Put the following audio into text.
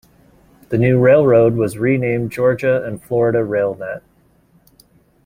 The new railroad was renamed Georgia and Florida RailNet.